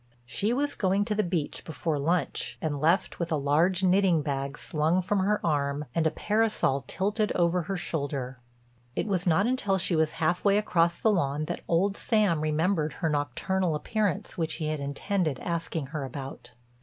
She was going to the beach before lunch, and left with a large knitting bag slung from her arm, and a parasol tilted over her shoulder. It was not until she was half way across the lawn that old Sam remembered her nocturnal appearance which he had intended asking her about.